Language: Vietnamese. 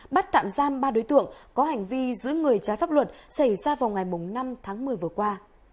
bắt tạm giam ba đối tượng có hành vi giữ người trái pháp luật xảy ra vào ngày năm tháng một mươi vừa qua